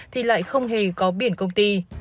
thì lại không hề có biển công ty